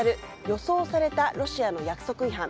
予想されたロシアの約束違反。